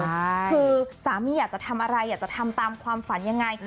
คือสามีอยากจะทำอะไรอยากจะทำตามความฝันยังไง